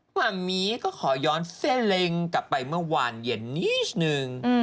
หม่ามีก็ขอย้อนเซรงกลับไปเมื่อวานเย็นนี้นึง